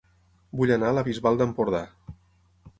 Vull anar a La Bisbal d'Empordà